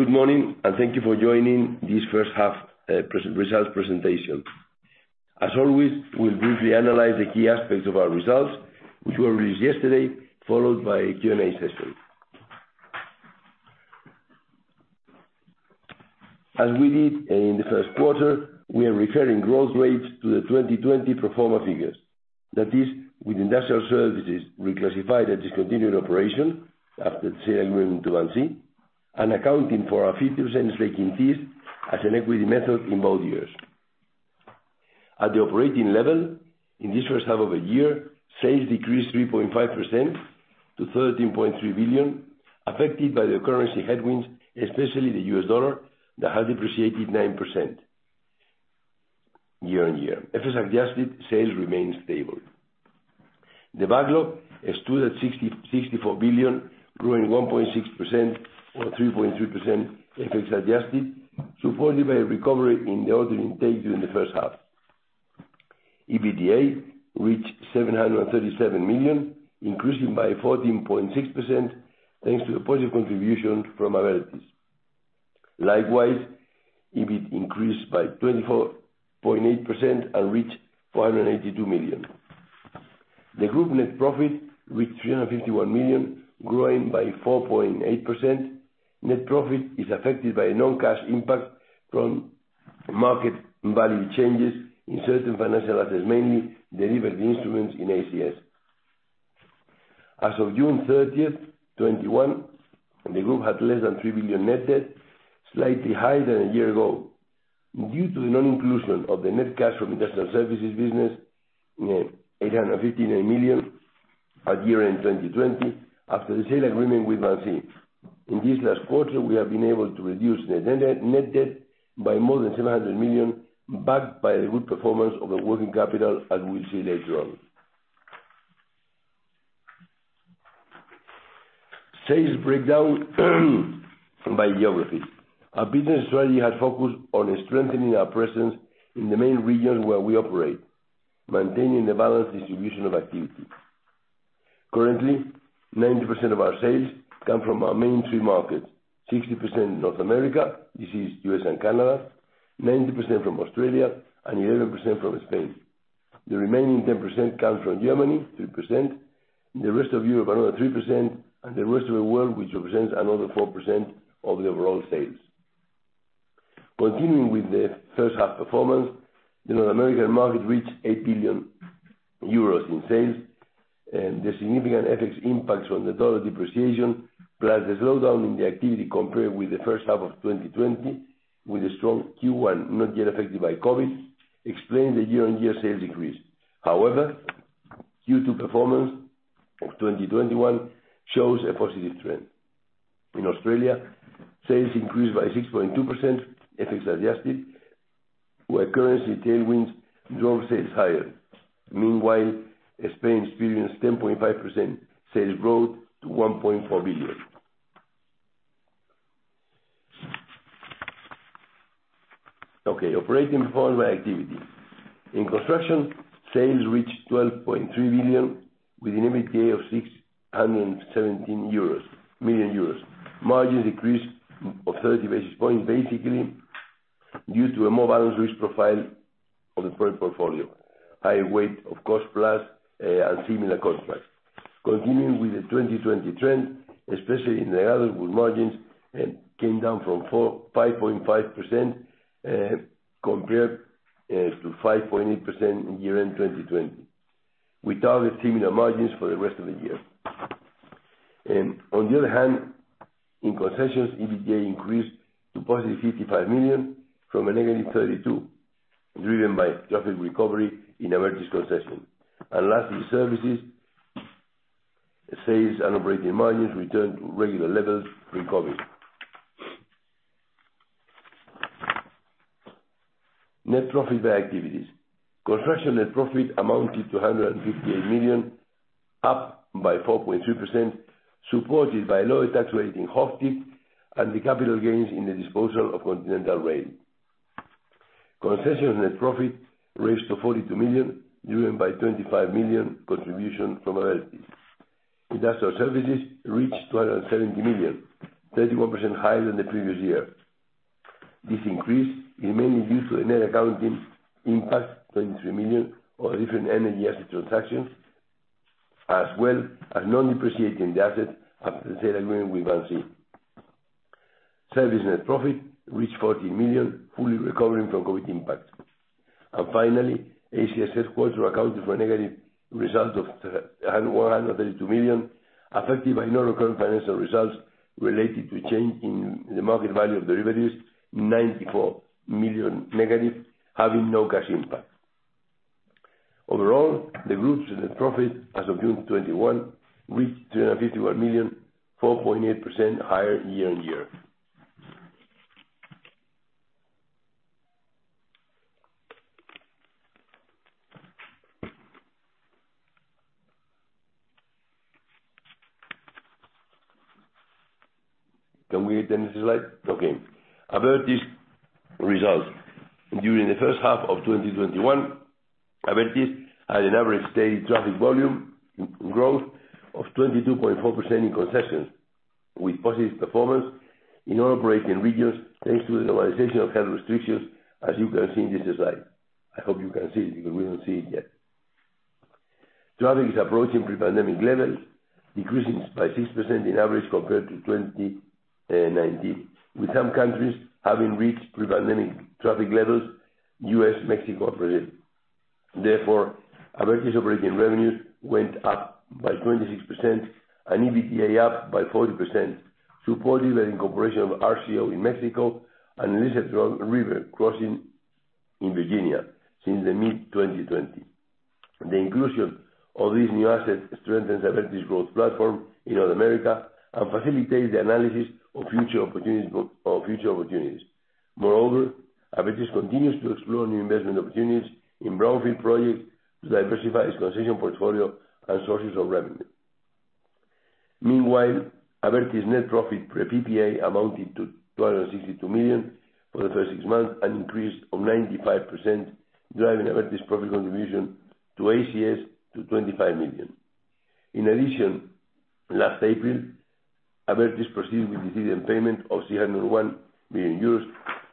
Good morning, thank you for joining this first half results presentation. As always, we'll briefly analyze the key aspects of our results, which were released yesterday, followed by a Q&A session. As we did in the first quarter, we are referring growth rates to the 2020 pro forma figures. That is, with Industrial Services reclassified as discontinued operation after the sale agreement to Vinci, and accounting for our 50% stake in Thiess as an equity method in both years. At the operating level, in this first half of the year, sales decreased 3.5% to 13.3 billion, affected by the currency headwinds, especially the US dollar, that has appreciated 9% year-on-year. FX adjusted, sales remain stable. The backlog stood at 64 billion, growing 1.6%, or 3.3% FX adjusted, supported by a recovery in the order intake during the first half. EBITDA reached 737 million, increasing by 14.6%, thanks to the positive contribution from Abertis. Likewise, EBIT increased by 24.8% and reached 482 million. The group net profit reached 351 million, growing by 4.8%. Net profit is affected by a non-cash impact from market value changes in certain financial assets, mainly derivative instruments in ACS. As of June 30th, 2021, the group had less than 3 billion net debt, slightly higher than a year ago due to the non-inclusion of the net cash from Industrial Services business, 859 million at year-end 2020 after the sale agreement with Vinci. In this last quarter, we have been able to reduce the net debt by more than 700 million, backed by the good performance of the working capital, as we'll see later on. Sales breakdown by geography. Our business strategy has focused on strengthening our presence in the main regions where we operate, maintaining a balanced distribution of activity. Currently, 90% of our sales come from our main three markets: 60% North America, this is U.S. and Canada, 19% from Australia, and 11% from Spain. The remaining 10% comes from Germany, 3%, the rest of Europe, another 3%, and the rest of the world, which represents another 4% of the overall sales. Continuing with the first half performance, the North American market reached 8 billion euros in sales, and the significant FX impacts from the dollar depreciation, plus the slowdown in the activity compared with the first half of 2020, with a strong Q1 not yet affected by COVID, explain the year-on-year sales decrease. However, Q2 performance of 2021 shows a positive trend. In Australia, sales increased by 6.2%, FX adjusted, where currency tailwinds drove sales higher. Meanwhile, Spain experienced 10.5% sales growth to EUR 1.4 billion. Okay, operating performance by activity. In construction, sales reached 12.3 billion, with an EBITDA of 617 million euros. Margins increased of 30 basis points, basically due to a more balanced risk profile of the project portfolio, high weight of cost-plus, and similar cost-plus. Continuing with the 2020 trend, especially in the Agile board margins, came down from 5.5% compared to 5.8% in year-end 2020. We target similar margins for the rest of the year. On the other hand, in concessions, EBITDA increased to positive 55 million from a -32, driven by traffic recovery in Abertis concessions. Lastly, services, sales and operating margins returned to regular levels pre-COVID. Net profit by activities. Construction net profit amounted to 158 million, up by 4.3%, supported by lower tax rate in Hochtief and the capital gains in the disposal of Continental Rail. Concession net profit rose to 42 million, driven by 25 million contribution from Abertis. Industrial Services reached 270 million, 31% higher than the previous year. This increase is mainly due to a net accounting impact, 23 million, of different energy asset transactions, as well as non-depreciating the asset after the sale agreement with Vinci. Service net profit reached 14 million, fully recovering from COVID impact. Finally, ACS Corporate accounted for a negative result of 132 million, affected by non-recurring financial results related to change in the market value of derivatives, 94 million negative, having no cash impact. Overall, the group's net profit as of June 2021 reached 351 million, 4.8% higher year-on-year. Can we advance the slide? Okay. Abertis results. During the first half of 2021, Abertis had an average daily traffic volume growth of 22.4% in concessions, with positive performance in all operating regions, thanks to the normalization of health restrictions, as you can see in this slide. I hope you can see it, because we don't see it yet. Traffic is approaching pre-pandemic levels, decreasing by 6% on average compared to 2019, with some countries having reached pre-pandemic traffic levels, U.S., Mexico, Brazil. Abertis operating revenues went up by 26% and EBITDA up by 40%, supported by the incorporation of RCO in Mexico and the Elizabeth River Crossings in Virginia since mid-2020. The inclusion of these new assets strengthens Abertis' growth platform in North America and facilitates the analysis of future opportunities. Abertis continues to explore new investment opportunities in brownfield projects to diversify its concession portfolio and sources of revenue. Meanwhile, Abertis' net profit pre-PPA amounted to 262 million for the first six months, an increase of 95%, driving Abertis' profit contribution to ACS to 25 million. In addition, last April, Abertis proceeded with the dividend payment of 301 million euros,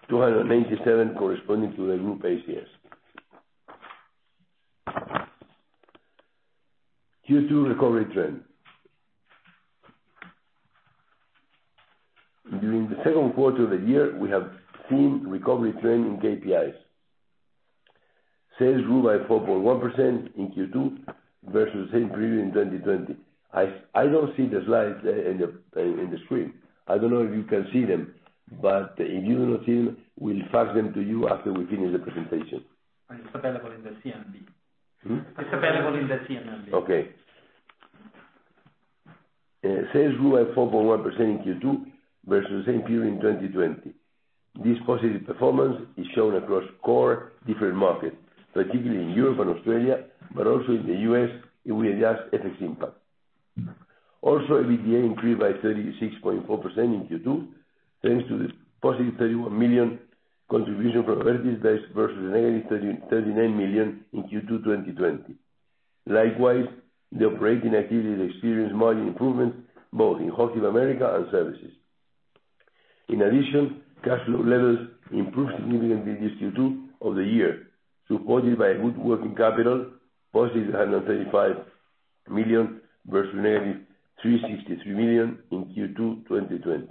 287 million corresponding to the group ACS. Q2 recovery trend. During the second quarter of the year, we have seen recovery trend in KPIs. Sales grew by 4.1% in Q2 versus the same period in 2020. I don't see the slides in the screen. I don't know if you can see them. If you do not see them, we'll fax them to you after we finish the presentation. It's available in the CNMV. It's available in the CNMV. Okay. Sales grew at 4.1% in Q2 versus the same period in 2020. This positive performance is shown across core different markets, particularly in Europe and Australia, but also in the U.S. if we adjust FX impact. EBITDA increased by 36.4% in Q2, thanks to the positive 31 million contribution from Abertis versus negative 39 million in Q2 2020. Likewise, the operating activities experienced margin improvements both in North America and services. In addition, cash flow levels improved significantly this Q2 of the year, supported by a good working capital, positive 135 million versus negative 363 million in Q2 2020.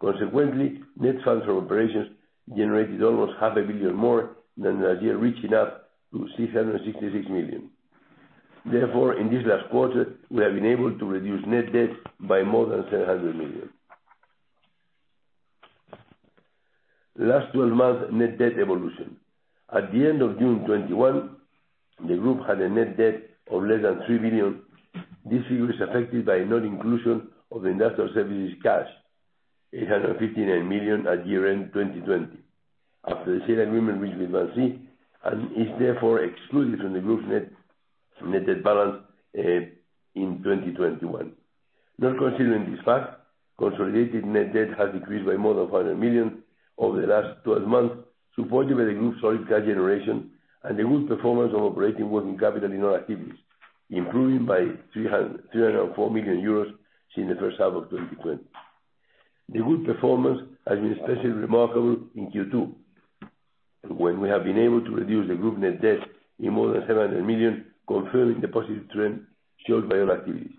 Consequently, net funds from operations generated almost half a billion more than last year, reaching up to 666 million. Therefore, in this last quarter, we have been able to reduce net debt by more than 700 million. Last 12 months net debt evolution. At the end of June 2021, the group had a net debt of less than 3 billion. This figure is affected by non-inclusion of Industrial Services cash, 859 million at year-end 2020. After the sale agreement reached with Vinci and is therefore excluded from the group's net debt balance in 2021. Not considering this fact, consolidated net debt has decreased by more than 100 million over the last 12 months, supported by the group's solid cash generation and the good performance of operating working capital in all activities, improving by 304 million euros since the first half of 2020. The good performance has been especially remarkable in Q2, when we have been able to reduce the group net debt in more than 700 million, confirming the positive trend shown by all activities.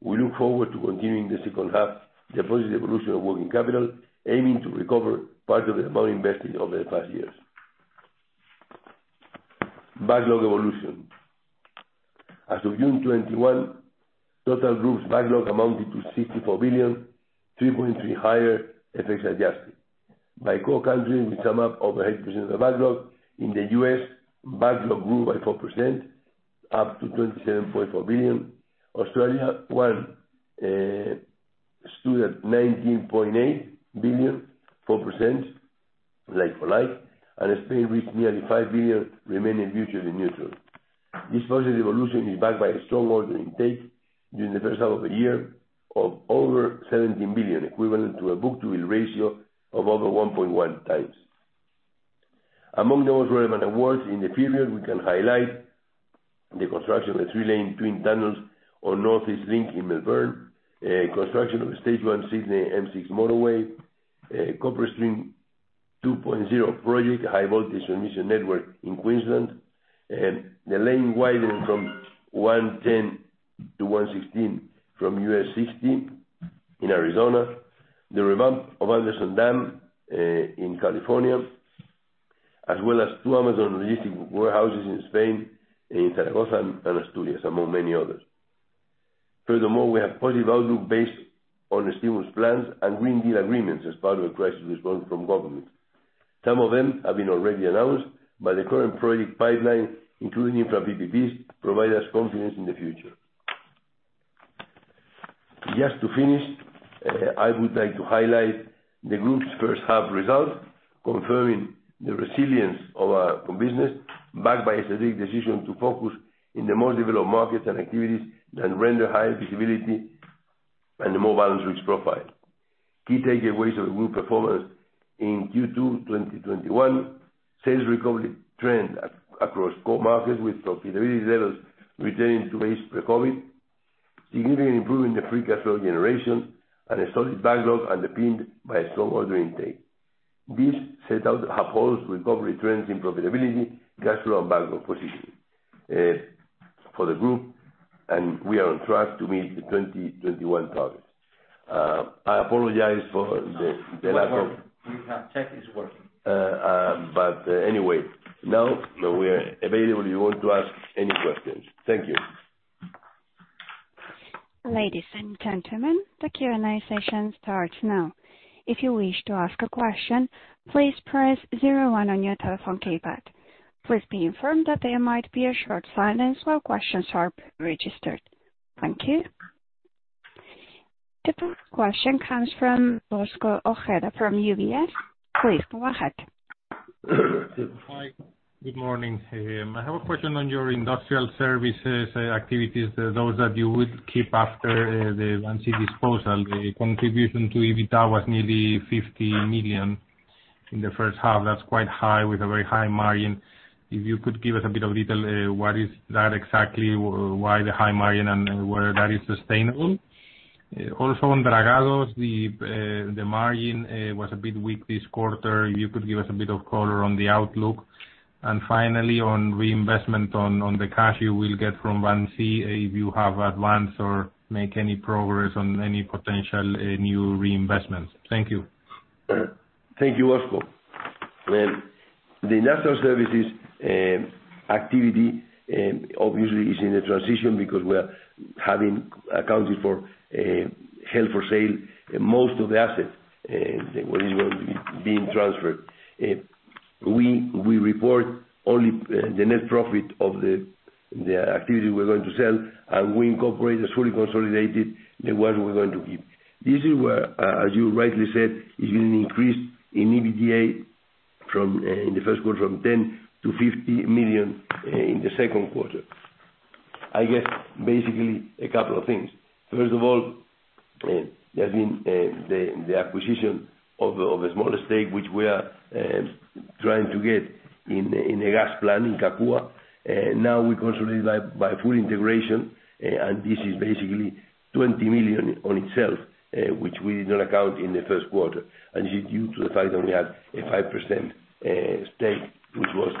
We look forward to continuing the second half the positive evolution of working capital, aiming to recover part of the amount invested over the past years. Backlog evolution. As of June 2021, total group's backlog amounted to 64 billion, 3.3% higher FX-adjusted. By core countries, we sum up over 80% of the backlog. In the U.S., backlog grew by 4%, up to 27.4 billion. Australia alone stood at 19.8 billion, 4% like-for-like, and Spain reached nearly 5 billion, remaining neutral. This positive evolution is backed by a strong order intake during the first half of the year of over 17 billion, equivalent to a book-to-bill ratio of over 1.1x. Among the most relevant awards in the period, we can highlight the construction of the three-lane twin tunnels on North East Link in Melbourne, construction of Stage 1 Sydney M6 motorway, Copperstring 2.0 project, high voltage transmission network in Queensland, the lane widening from 110-116 from U.S. 60 in Arizona, the revamp of Anderson Dam, in California, as well as two Amazon logistics warehouses in Spain, in Zaragoza and Asturias, among many others. Furthermore, we have positive outlook based on the stimulus plans and Green Deal agreements as part of the crisis response from governments. Some of them have been already announced by the current project pipeline, including infra PPPs, provide us confidence in the future. Just to finish, I would like to highlight the group's first half results, confirming the resilience of our business, backed by a strategic decision to focus in the most developed markets and activities that render higher visibility and the more balanced risk profile. Key takeaways of the group performance in Q2 2021: sales recovery trend across core markets, with profitability levels returning to pre-COVID, significantly improving the free cash flow generation and a solid backlog underpinned by strong order intake. This setup upholds recovery trends in profitability, cash flow, and backlog position for the group, and we are on track to meet the 2021 targets. No. You have tech is working. Anyway, now we are available if you want to ask any questions. Thank you. Ladies and gentlemen, the Q&A session starts now. If you wish to ask a question, please press zero, one on your telephone keypad. Please be informed that there might be a short silence while questions are registered. Thank you. The first question comes from Bosco Ojeda from UBS. Please go ahead. Hi. Good morning. I have a question on your industrial services activities, those that you would keep after the Vinci disposal. The contribution to EBITDA was nearly 50 million in the first half. That is quite high with a very high margin. If you could give us a bit of detail, what is that exactly? Why the high margin, and whether that is sustainable? On Dragados, the margin was a bit weak this quarter. You could give us a bit of color on the outlook. Finally, on reinvestment on the cash you will get from Vinci, if you have advanced or make any progress on any potential new reinvestments. Thank you. Thank you, Bosco. Well, the Industrial Services activity obviously is in a transition because we're having accounted for held for sale most of the assets, which were being transferred. We report only the net profit of the activity we're going to sell. We incorporate or fully consolidated the ones we're going to keep. This is where, as you rightly said, it increased in EBITDA in the first quarter from 10 million-50 million in the second quarter. I guess, basically, a couple of things. First of all, there's been the acquisition of a smaller stake, which we are trying to get in a gas plant in Kakuma. We consolidate by full integration. This is basically 20 million on itself, which we did not account in the first quarter. This is due to the fact that we had a 5% stake, which was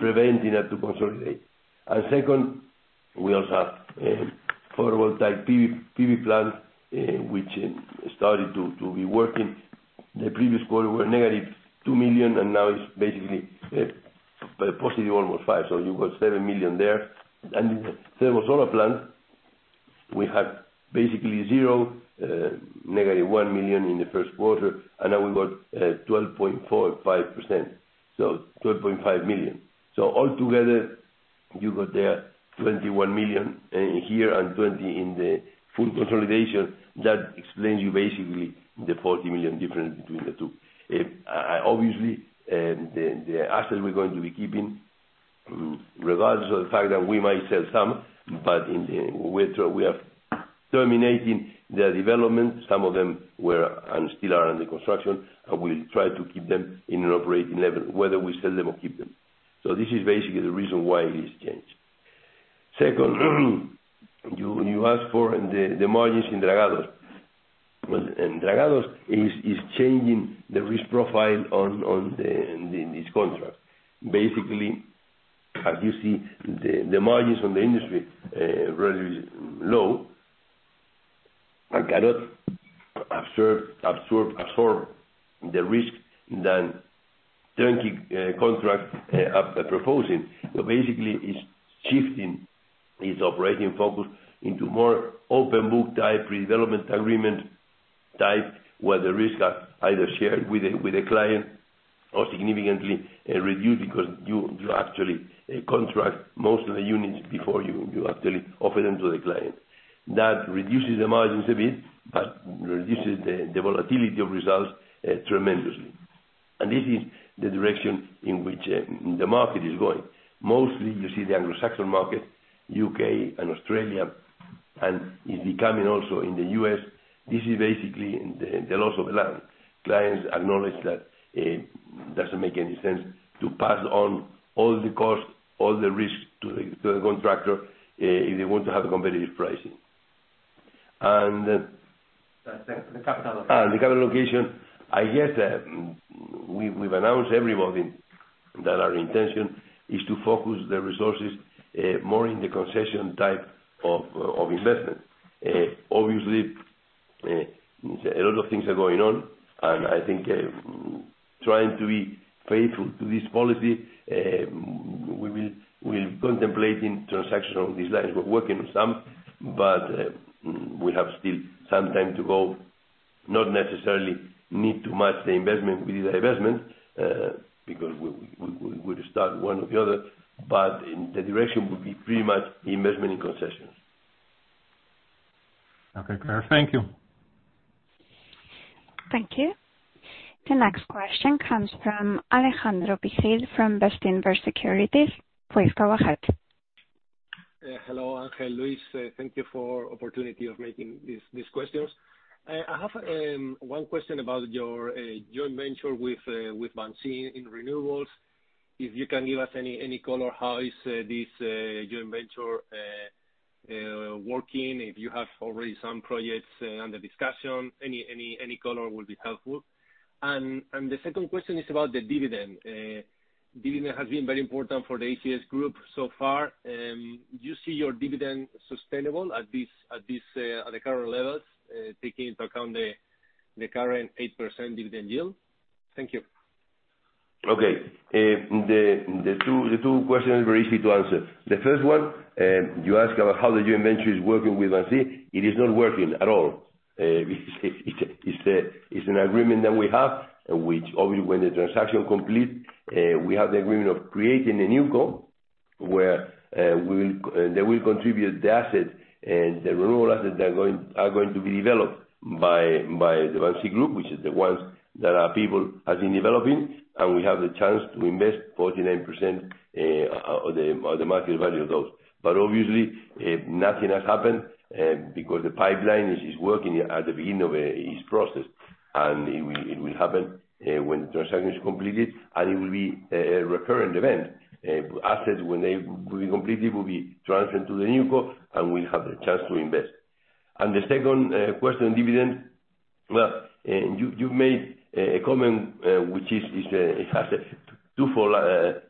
preventing that to consolidate. Second, we also have photovoltaic PV plant, which started to be working. The previous quarter were negative 2 million, now it's basically positive almost 5 million. You've got 7 million there. In the thermosolar plant, we had basically zero, -1 million in the 1st quarter, and now we got 12.45 million, so 12.5 million. Altogether, you got there 21 million here and 20 million in the full consolidation. That explains you basically the 40 million difference between the two. Obviously, the assets we're going to be keeping, regardless of the fact that we might sell some, but we are terminating their development. Some of them were and still are under construction, we'll try to keep them in an operating level, whether we sell them or keep them. This is basically the reason why it is changed. Second, you asked for the margins in Dragados. In Dragados is changing the risk profile on these contracts. Basically, as you see, the margins on the industry are relatively low, and cannot absorb the risk in the turnkey contract we're proposing. Basically, it's shifting its operating focus into more open-book type, pre-development agreement type, where the risks are either shared with a client or significantly reduced because you actually contract most of the units before you actually offer them to the client. That reduces the margins a bit, but reduces the volatility of results tremendously. This is the direction in which the market is going. Mostly, you see the Anglo-Saxon market, U.K. and Australia, and is becoming also in the U.S. This is basically the laws of the land. Clients acknowledge that it doesn't make any sense to pass on all the costs, all the risks to the contractor, if they want to have competitive pricing. The capital location. The capital location, I guess, we've announced everybody that our intention is to focus the resources more in the concession type of investment. Obviously, a lot of things are going on, and I think trying to be faithful to this policy, we're contemplating transactions on these lines. We're working on some, but we have still some time to go. Not necessarily need to match the investment with the divestment, because we would start one or the other, but the direction would be pretty much the investment in concessions. Okay, clear. Thank you. Thank you. The next question comes from Alejandro Pichel from Bestinver Securities. Please go ahead. Hello. I'm Luis. Thank you for opportunity of making these questions. I have one question about your joint venture with Vinci in renewables. If you can give us any color, how is this joint venture working? If you have already some projects under discussion, any color will be helpful. The second question is about the dividend. Dividend has been very important for the ACS Group so far. Do you see your dividend sustainable at the current levels, taking into account the current 8% dividend yield? Thank you. Okay. The two questions are very easy to answer. The first one, you ask about how the joint venture is working with Vinci. It is not working at all. It's an agreement that we have, which, obviously, when the transaction complete, we have the agreement of creating a new co, where they will contribute the asset and the renewal assets that are going to be developed by the Vinci group, which is the ones that are people has been developing, and we have the chance to invest 49% of the market value of those. Obviously, nothing has happened because the pipeline is working at the beginning of its process. It will happen when the transaction is completed, and it will be a recurring event. Assets, when they will be complete, it will be transferred to the new co, and we'll have the chance to invest. The second question, dividend. Well, you made a comment, which has a twofold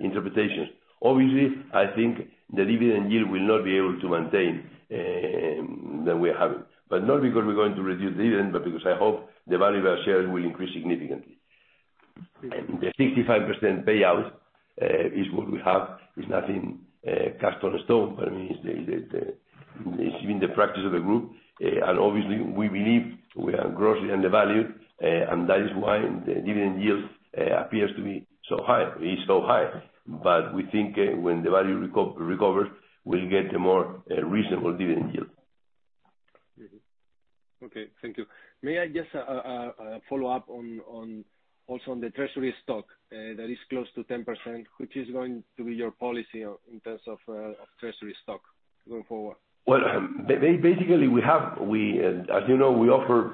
interpretation. Obviously, I think the dividend yield will not be able to maintain, that we have. Not because we're going to reduce dividend, but because I hope the value of our shares will increase significantly. The 65% payout, is what we have, is nothing cast in stone, but it's been the practice of the group. Obviously, we believe we are grossly undervalued, and that is why the dividend yield appears to be so high. It is so high. We think when the value recovers, we'll get a more reasonable dividend yield. Okay. Thank you. May I just follow up also on the treasury stock that is close to 10%, which is going to be your policy in terms of treasury stock going forward? Well, basically, as you know, we offer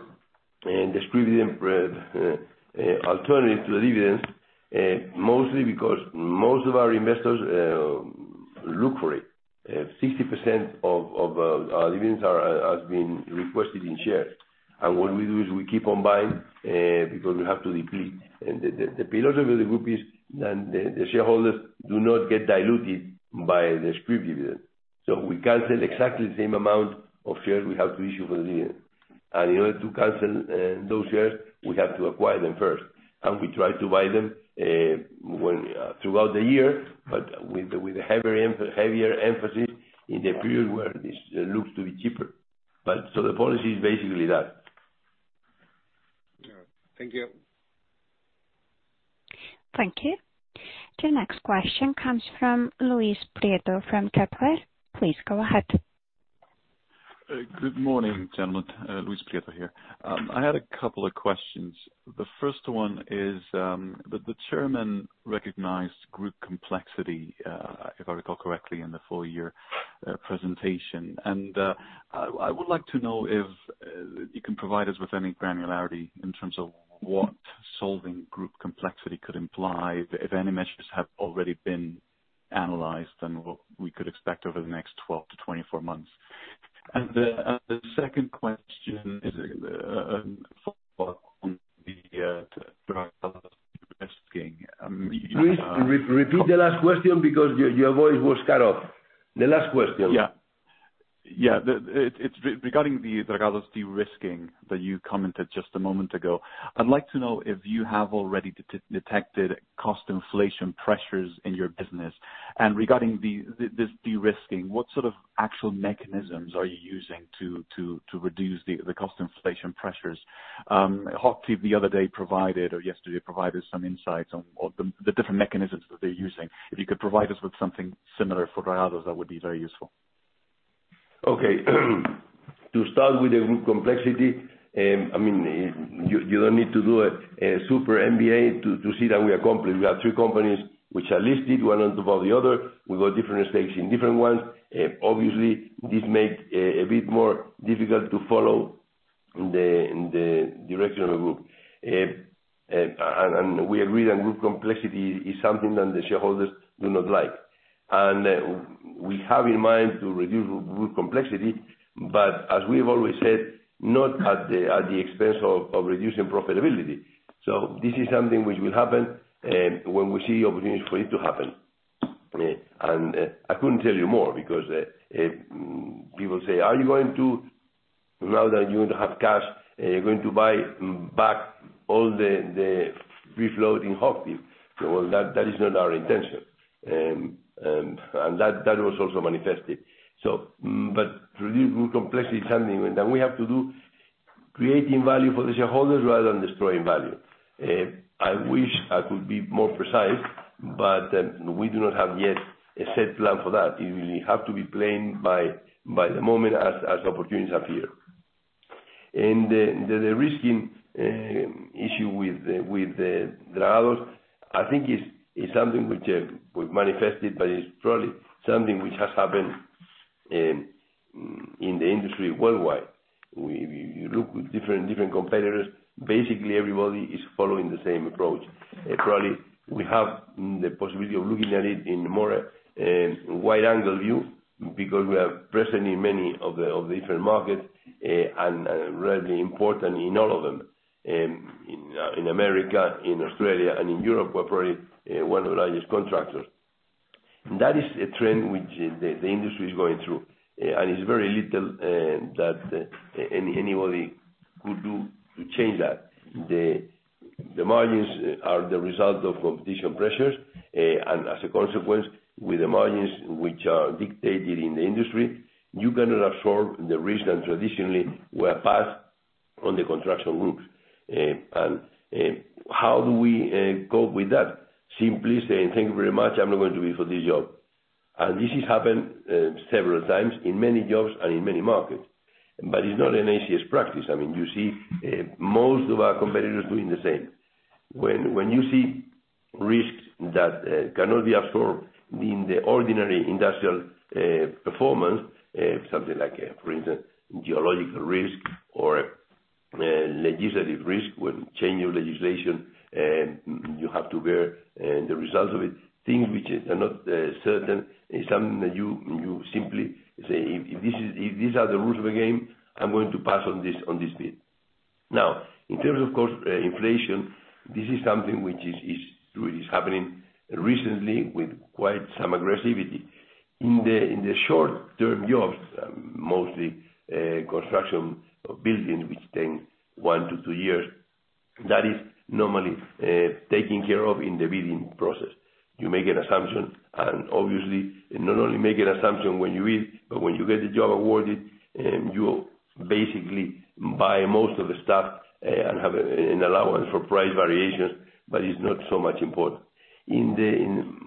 the scrip dividend alternative to the dividends, mostly because most of our investors look for it. 60% of our dividends has been requested in shares. What we do is we keep on buying, because we have to deplete. The philosophy of the group is the shareholders do not get diluted by the scrip dividend. We cancel exactly the same amount of shares we have to issue for dividend. In order to cancel those shares, we have to acquire them first. We try to buy them throughout the year, but with a heavier emphasis in the period where it looks to be cheaper. The policy is basically that. All right. Thank you. Thank you. The next question comes from Luis Prieto from Kepler. Please go ahead. Good morning, gentlemen. Luis Prieto here. I had a couple of questions. The first one is, the chairman recognized group complexity, if I recall correctly, in the full-year presentation. I would like to know if you can provide us with any granularity in terms of what solving group complexity could imply, if any measures have already been analyzed, and what we could expect over the next 12-24 months. The second question is on the de-risking. Luis, repeat the last question because your voice was cut off. The last question. Yeah. It's regarding the Dragados de-risking that you commented just a moment ago. I'd like to know if you have already detected cost inflation pressures in your business. Regarding this de-risking, what sort of actual mechanisms are you using to reduce the cost inflation pressures? Hochtief the other day provided, or yesterday, provided some insights on the different mechanisms that they're using. If you could provide us with something similar for Dragados, that would be very useful. Okay. To start with the group complexity, you don't need to do a super MBA to see that we are complex. We have three companies which are listed one on top of the other. We've got different stakes in different ones. Obviously, this makes a bit more difficult to follow the direction of the group. We agree that group complexity is something that the shareholders do not like. We have in mind to reduce group complexity, but as we've always said, not at the expense of reducing profitability. This is something which will happen, when we see opportunities for it to happen. I couldn't tell you more because people say, "Are you going to, now that you have cash, are you going to buy back all the free float in Hochtief?" Well, that is not our intention. That was also manifested. To reduce group complexity is something that we have to do, creating value for the shareholders rather than destroying value. I wish I could be more precise, but we do not have yet a set plan for that. It will have to be planned by the moment as opportunities appear. The risk issue with the Dragados, I think is something which manifested, but is probably something which has happened in the industry worldwide. We look with different competitors. Basically, everybody is following the same approach. Probably we have the possibility of looking at it in more a wide-angle view because we are present in many of the different markets and rarely important in all of them. In America, in Australia, and in Europe, we're probably one of the largest contractors. That is a trend which the industry is going through. It's very little that anybody could do to change that. The margins are the result of competition pressures, as a consequence, with the margins which are dictated in the industry, you cannot absorb the risk that traditionally were passed on the construction groups. How do we cope with that? Simply saying, "Thank you very much. I'm not going to bid for this job." This has happened several times in many jobs and in many markets. It's not an ACS practice. You see most of our competitors doing the same. When you see risks that cannot be absorbed in the ordinary industrial performance, something like, for instance, geological risk or legislative risk, when change your legislation and you have to bear the results of it, things which are not certain, is something that you simply say, "If these are the rules of the game, I'm going to pass on this bid." Now, in terms, of course, inflation, this is something which is really happening recently with quite some aggressivity. In the short-term jobs, mostly construction buildings which take one to two years, that is normally taken care of in the bidding process. You make an assumption, and obviously not only make an assumption when you bid, but when you get the job awarded, you basically buy most of the stuff and have an allowance for price variations, but it's not so much important.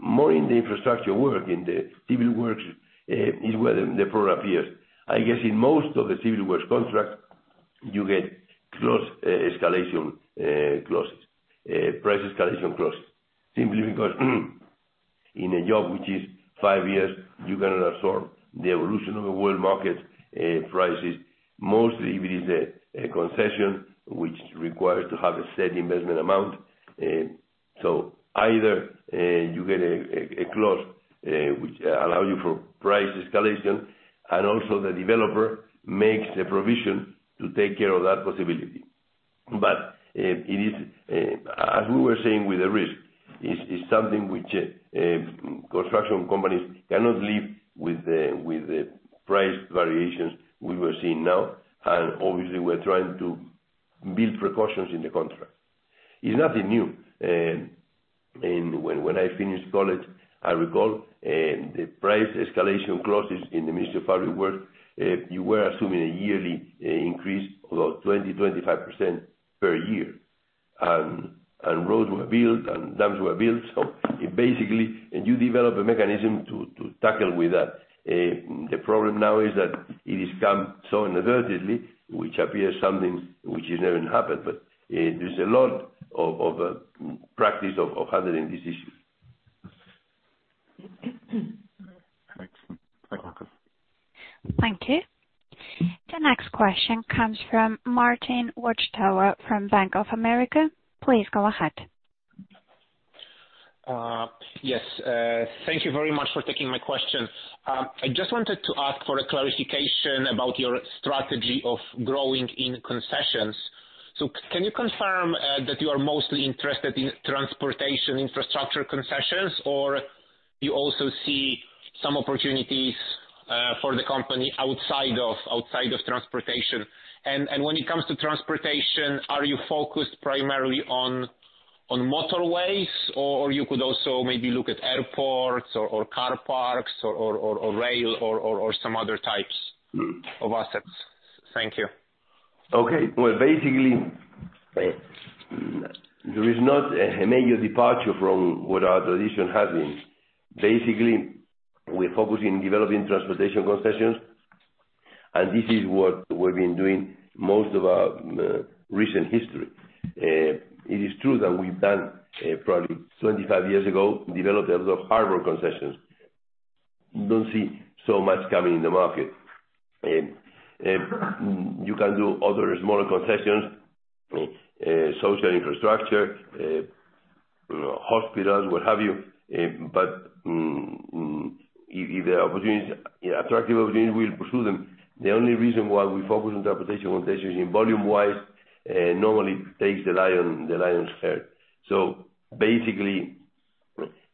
More in the infrastructure work, in the civil works, is where the problem appears. I guess in most of the civil works contracts, you get cost escalation clauses, price escalation clauses. Simply because in a job which is five years, you cannot absorb the evolution of the world market prices. Mostly, if it is a concession which requires to have a set investment amount. Either you get a clause which allows you for price escalation and also the developer makes a provision to take care of that possibility. As we were saying with the risk, it's something which construction companies cannot live with the price variations we are seeing now, and obviously, we're trying to build precautions in the contract. It's nothing new. When I finished college, I recall the price escalation clauses in the Ministry of Public Works, you were assuming a yearly increase, about 20-25% per year. Roads were built and dams were built. Basically, you develop a mechanism to tackle with that. The problem now is that it has come so inadvertently, which appears something which has never happened. There's a lot of practice of handling this issue. Thanks. Welcome. Thank you. The next question comes from Marcin Wojtal from Bank of America. Please go ahead. Yes. Thank you very much for taking my question. I just wanted to ask for a clarification about your strategy of growing in concessions. Can you confirm that you are mostly interested in transportation infrastructure concessions, or you also see some opportunities for the company outside of transportation? When it comes to transportation, are you focused primarily on motorways, or you could also maybe look at airports or car parks or rail or some other types of assets? Thank you. Okay. Well, basically, there is not a major departure from what our tradition has been. Basically, we're focusing developing transportation concessions, and this is what we've been doing most of our recent history. It is true that we've done, probably 25 years ago, developed harbor concessions. Don't see so much coming in the market. You can do other smaller concessions, social infrastructure, hospitals, what have you. If there are attractive opportunities, we'll pursue them. The only reason why we focus on transportation concessions is volume-wise, normally takes the lion's share. Basically,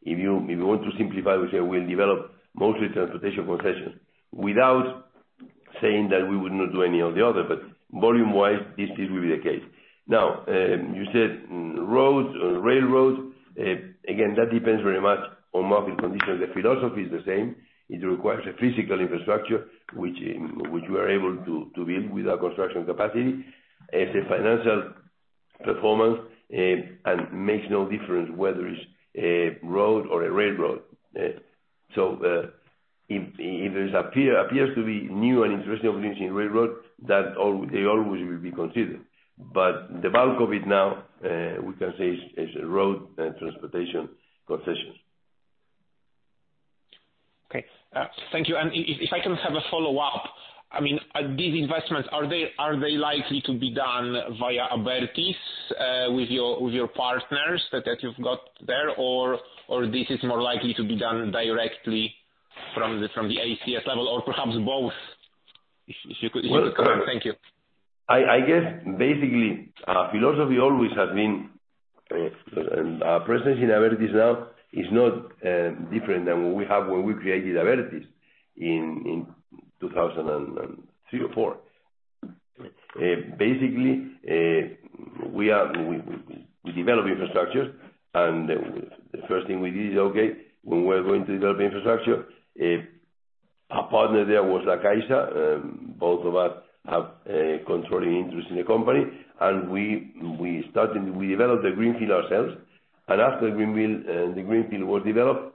if you want to simplify, we say we'll develop mostly transportation concessions without saying that we would not do any of the other, but volume-wise, this will be the case. Now, you said roads, railroads. Again, that depends very much on market conditions. The philosophy is the same. It requires a physical infrastructure, which we are able to build with our construction capacity. It's a financial performance, and makes no difference whether it's a road or a railroad. If there appears to be new and interesting opportunities in railroad, they always will be considered. The bulk of it now, we can say, is road transportation concessions. Okay. Thank you. If I can have a follow-up. These investments, are they likely to be done via Abertis, with your partners that you've got there? This is more likely to be done directly from the ACS level, or perhaps both? If you could comment. Thank you. I guess, basically, our philosophy always has been, our presence in Abertis now is not different than what we had when we created Abertis in 2003 or 2004. Basically, we develop infrastructure, and the first thing we did is, okay, when we're going to develop infrastructure, our partner there was La Caixa. Both of us have a controlling interest in the company. We developed the greenfield ourselves. After the greenfield was developed,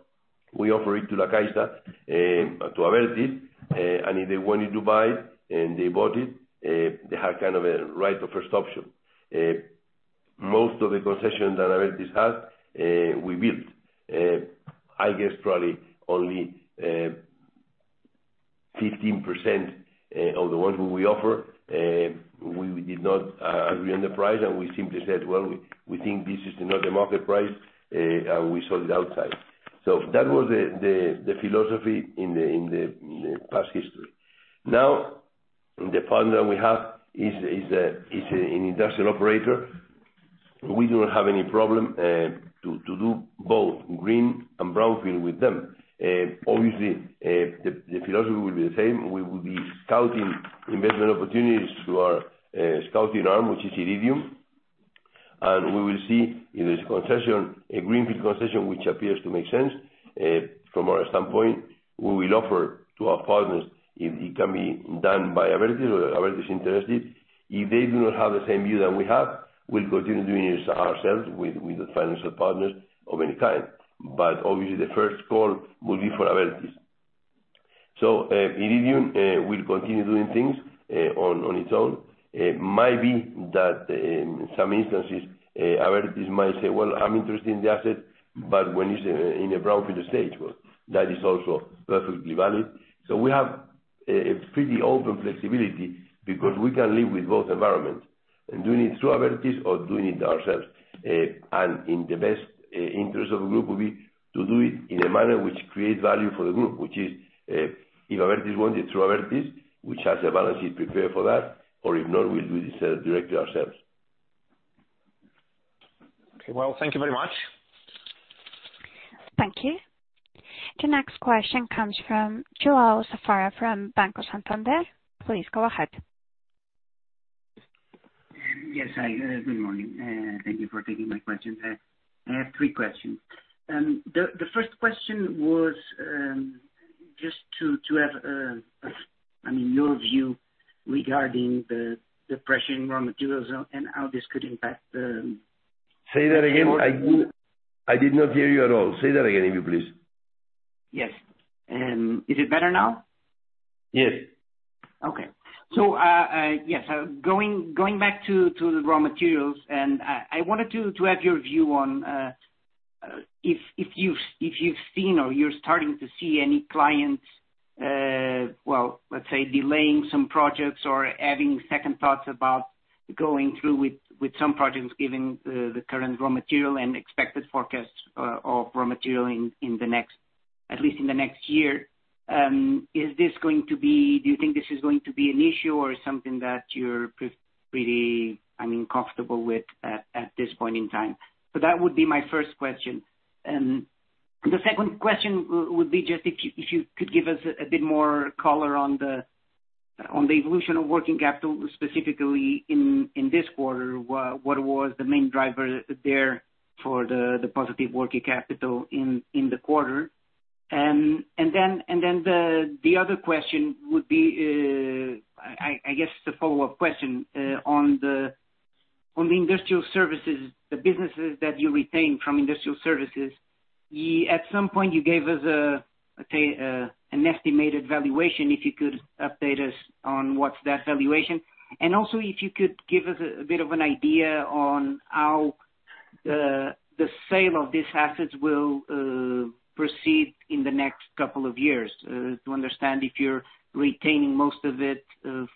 we offer it to La Caixa, to Abertis, and if they wanted to buy it, and they bought it. They had kind of a right of first option. Most of the concessions that Abertis has, we built. I guess probably only 15% of the ones we offer, we did not agree on the price, and we simply said, "Well, we think this is not the market price," and we sold it outside. That was the philosophy in the past history. Now, the partner we have is an industrial operator. We don't have any problem to do both greenfield and brownfield with them. Obviously, the philosophy will be the same. We will be scouting investment opportunities through our scouting arm, which is Iridium. We will see if this concession, a greenfield concession which appears to make sense from our standpoint, we will offer to our partners if it can be done by Abertis or Abertis is interested. If they do not have the same view that we have, we'll continue doing this ourselves with financial partners of any kind. Obviously, the first call will be for Abertis. Iridium will continue doing things on its own. It might be that in some instances, Abertis might say, "Well, I'm interested in the asset," but when it's in a brownfield stage, well, that is also perfectly valid. We have a pretty open flexibility because we can live with both environments, and doing it through Abertis or doing it ourselves. In the best interest of the group will be to do it in a manner which creates value for the group, which is, if Abertis wants it through Abertis, which has the balance sheet prepared for that, or if not, we'll do this directly ourselves. Okay. Well, thank you very much. Thank you. The next question comes from João Safara from Banco Santander. Please go ahead. Yes. Hi, good morning. Thank you for taking my questions. I have three questions. The first question was just to have your view regarding the pressure in raw materials and how this could impact. Say that again. I did not hear you at all. Say that again, if you please. Yes. Is it better now? Yes. Okay. Going back to the raw materials, and I wanted to have your view on if you've seen or you're starting to see any clients, let's say, delaying some projects or having second thoughts about going through with some projects given the current raw material and expected forecasts of raw material at least in the next year. Do you think this is going to be an issue or something that you're pretty comfortable with at this point in time? That would be my first question. The second question would be just if you could give us a bit more color on the evolution of working capital, specifically in this quarter. What was the main driver there for the positive working capital in the quarter? The other question would be, I guess the follow-up question, on the Industrial Services, the businesses that you retained from Industrial Services. At some point, you gave us an estimated valuation, if you could update us on what's that valuation. Also, if you could give us a bit of an idea on how the sale of these assets will proceed in the next couple of years, to understand if you're retaining most of it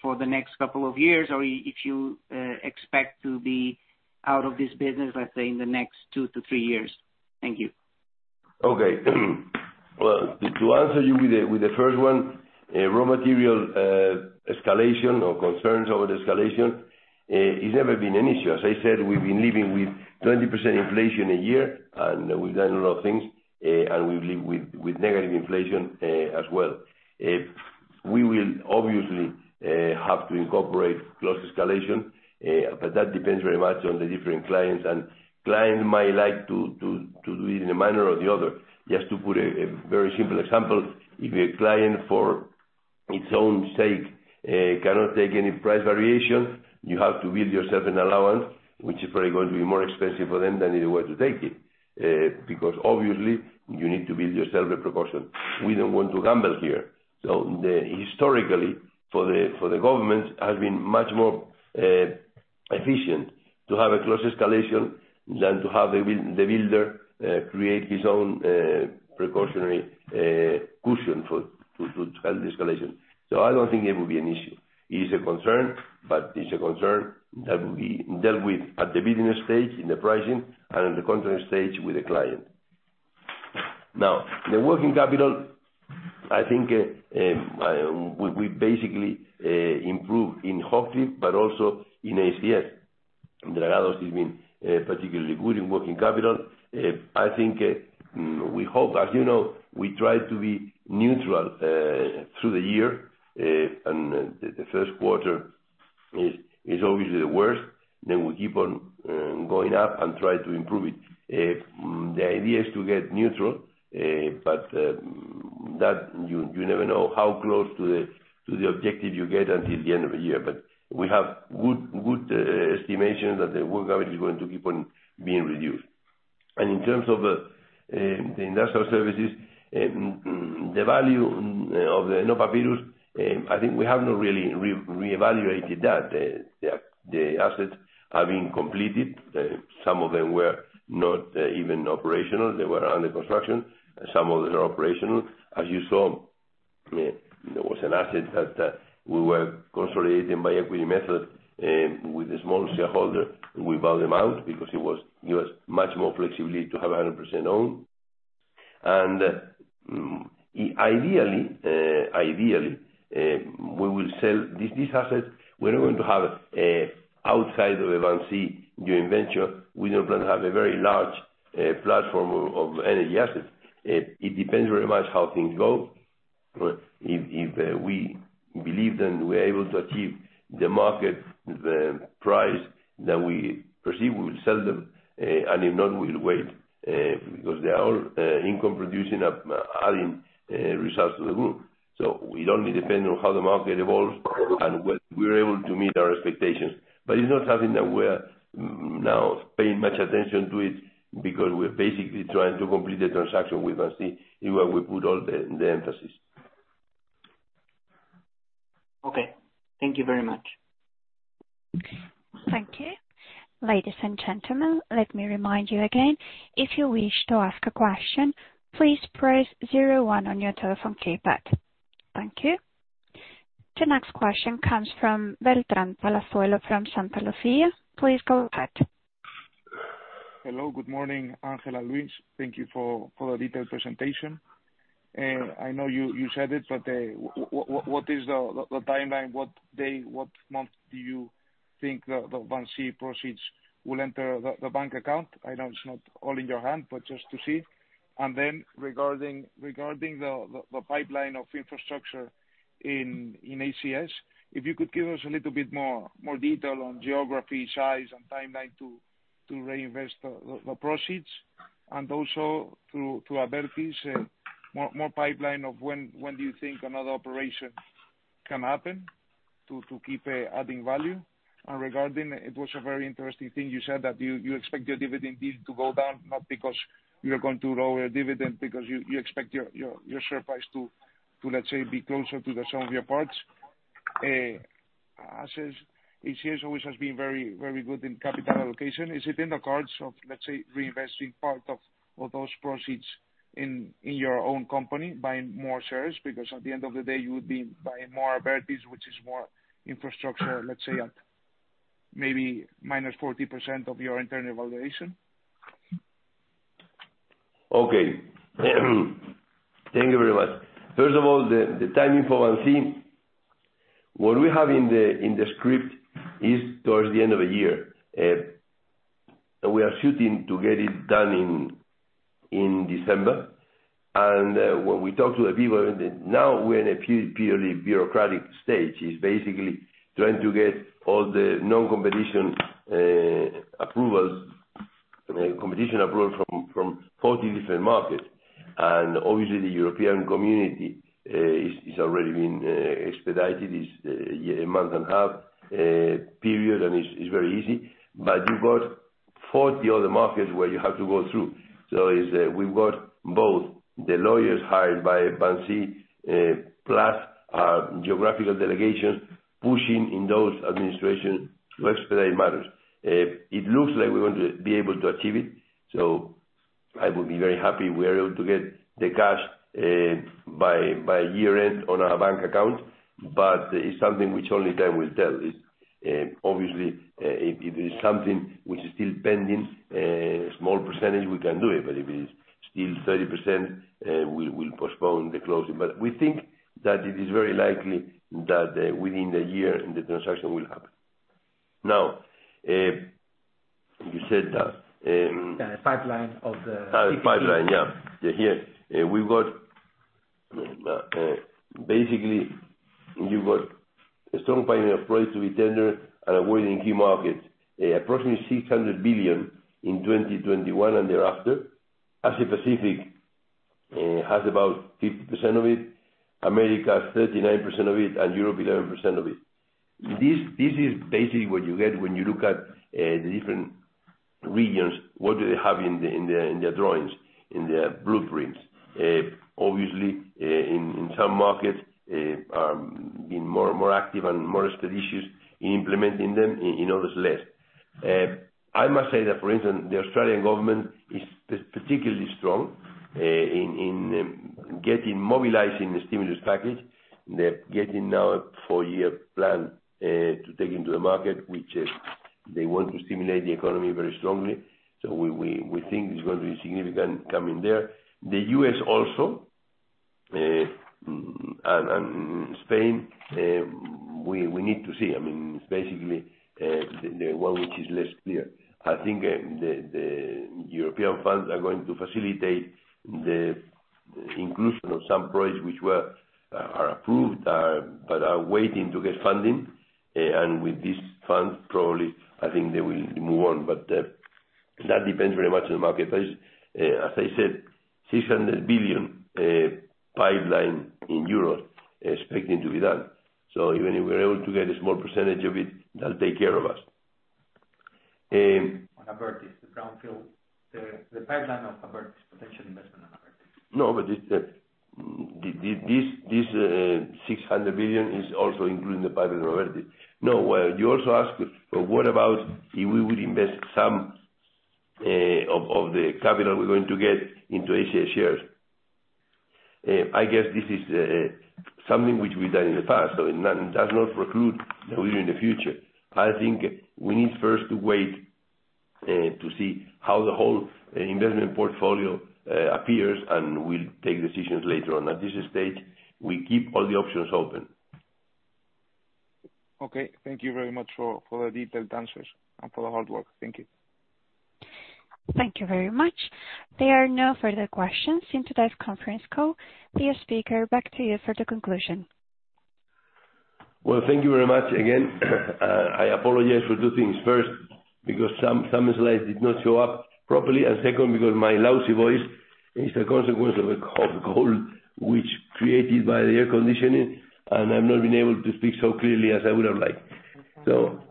for the next couple of years or if you expect to be out of this business, let's say, in the next two to three years. Thank you. Okay. Well, to answer you with the first one, raw material escalation or concerns over the escalation, it's never been an issue. As I said, we've been living with 20% inflation a year. We've done a lot of things, and we've lived with negative inflation as well. We will obviously have to incorporate cost escalation, that depends very much on the different clients. A client might like to do it in a manner or the other. Just to put a very simple example, if a client, for its own sake, cannot take any price variation, you have to build yourself an allowance, which is probably going to be more expensive for them than it were to take it. Obviously, you need to build yourself a proportion. We don't want to gamble here. Historically, for the government, has been much more efficient to have a close escalation than to have the builder create his own precautionary cushion to help the escalation. I don't think it will be an issue. It is a concern, but it's a concern that will be dealt with at the beginning stage in the pricing and at the contract stage with the client. The working capital, I think, we basically improved in Hochtief, but also in ACS. Dragados has been particularly good in working capital. As you know, we try to be neutral through the year, and the first quarter is obviously the worst. We keep on going up and try to improve it. The idea is to get neutral, but that you never know how close to the objective you get until the end of the year. We have good estimation that the work average is going to keep on being reduced. In terms of the Industrial Services, the value of the Nóvias, I think we have not really reevaluated that. The assets have been completed. Some of them were not even operational. They were under construction. Some of them are operational. As you saw, there was an asset that we were consolidating by equity method with a small shareholder. We bought them out because it was much more flexibility to have 100% owned. Ideally, we will sell these assets. We're going to have outside of Vinci joint venture, we are going to have a very large platform of energy assets. It depends very much how things go. If we believe that we're able to achieve the market, the price that we perceive, we will sell them, and if not, we'll wait, because they are income producing, adding results to the group. We only depend on how the market evolves and we're able to meet our expectations. It's not something that we're now paying much attention to it because we're basically trying to complete the transaction with Vinci, where we put all the emphasis. Okay. Thank you very much. Thank you. Ladies and gentlemen, let me remind you again, if you wish to ask a question, please press zero, one on your telephone keypad. Thank you. The next question comes from Beltrán Palazuelo from Santalucía. Please go ahead. Hello. Good morning, Ángel, Luis. Thank you for the detailed presentation. I know you said it, what is the timeline? What day, what month do you think the Vinci proceeds will enter the bank account? I know it's not all in your hand, just to see. Regarding the pipeline of infrastructure in ACS, if you could give us a little bit more detail on geography, size, and timeline to reinvest the proceeds. Also through to Abertis, more pipeline of when do you think another operation can happen to keep adding value? Regarding, it was a very interesting thing you said that you expect your dividend yield to go down, not because you are going to lower your dividend, because you expect your share price to, let's say, be closer to the sum of your parts. ACS always has been very good in capital allocation. Is it in the cards of, let's say, reinvesting part of those proceeds in your own company, buying more shares? Because at the end of the day, you would be buying more Abertis, which is more infrastructure, let's say at maybe -40% of your internal evaluation. Okay. Thank you very much. First of all, the timing for Vinci. What we have in the script is towards the end of the year. We are shooting to get it done in December. When we talk to the people, now we're in a purely bureaucratic stage. It's basically trying to get all the non-competition approvals, competition approval from 40 different markets. Obviously the European community is already been expedited. It's a month and a half period, and it's very easy. You got 40 other markets where you have to go through. We've got both the lawyers hired by Vinci, plus our geographical delegations pushing in those administration to expedite matters. It looks like we're going to be able to achieve it. I would be very happy we're able to get the cash by year-end on our bank account. It's something which only time will tell. Obviously, if it is something which is still pending, a small percentage, we can do it. If it is still 30%, we'll postpone the closing. We think that it is very likely that within the year, the transaction will happen. Now, you said that. The pipeline of the- Pipeline. Here, basically, you've got a strong pipeline of projects to be tendered and awarded in key markets. Approximately 600 billion in 2021 and thereafter. Asia Pacific has about 50% of it, America has 39% of it, and Europe 11% of it. This is basically what you get when you look at the different regions, what do they have in their drawings, in their blueprints. Obviously, in some markets are more active and more expeditious in implementing them, in others less. I must say that, for instance, the Australian government is particularly strong in mobilizing the stimulus package. They're getting now a four-year plan to take into the market, which is they want to stimulate the economy very strongly. We think it's going to be significant coming there. The U.S. also, and Spain, we need to see. I mean, it's basically the one which is less clear. I think the European funds are going to facilitate the inclusion of some projects which are approved, but are waiting to get funding. With these funds, probably, I think they will move on. That depends very much on the marketplace. As I said, 600 billion pipeline in Europe expecting to be done. Even if we're able to get a small percentage of it, that'll take care of us. On Abertis, the brownfield, the pipeline of Abertis, potential investment on Abertis. No, this 600 billion is also including the pipeline of Abertis. Well, you also asked, what about if we would invest some of the capital we're going to get into ACS shares? I guess this is something which we've done in the past, it does not preclude that we do in the future. I think we need first to wait to see how the whole investment portfolio appears, we'll take decisions later on. At this stage, we keep all the options open. Okay. Thank you very much for the detailed answers and for the hard work. Thank you. Thank you very much. There are no further questions in today's conference call. Dear speaker, back to you for the conclusion. Well, thank you very much again. I apologize for two things. First, because some slides did not show up properly, and second, because my lousy voice is a consequence of a cold, which created by the air conditioning, and I've not been able to speak so clearly as I would have liked.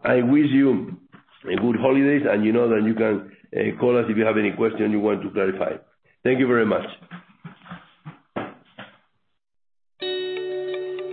I wish you good holidays, and you know that you can call us if you have any question you want to clarify. Thank you very much.